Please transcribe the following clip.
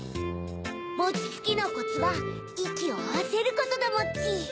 もちつきのコツはいきをあわせることだモチ！